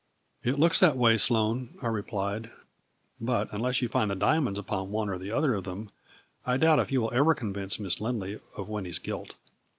" It looks that way, Sloane," I replied, " but, unless you find the diamonds upon one or the other of them, I doubt if you ever convince Miss Lindley of Winnie's guilt.